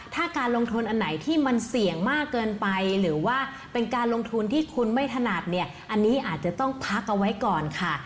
ถ้าการลงทุนอันไหนที่มันเสี่ยงมากเกินไปหรือว่าเป็นการลงทุนที่คุณไม่ถนัดเนี่ยอันนี้อาจจะต้องพักเอาไว้ก่อนค่ะ